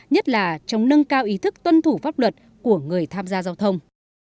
nhất là trong nâng cao ý thức tuân thủ pháp luật của người tham gia giao thông